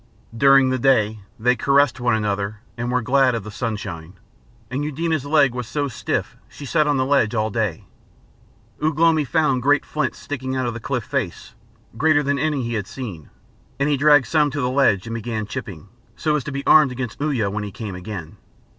During the day they caressed one another and were glad of the sunshine, and Eudena's leg was so stiff she sat on the ledge all day. Ugh lomi found great flints sticking out of the cliff face, greater than any he had seen, and he dragged some to the ledge and began chipping, so as to be armed against Uya when he came again.